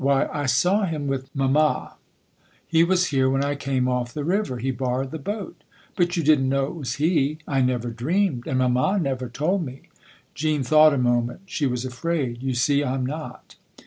"Why, I saw him with mamma ! He was here when I came off the river he borrowed the boat." " But you didn't know it was he ?"" I never dreamed and mamma never told me." Jean thought a moment. " She was afraid. You see I'm not."